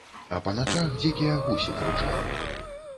А па начах дзікія гусі крычалі.